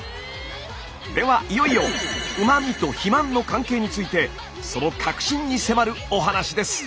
ではいよいようま味と肥満の関係についてその核心に迫るお話です。